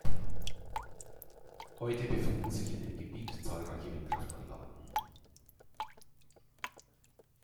Heute befinden sich in dem Gebiet zahlreiche Windkraftanlagen.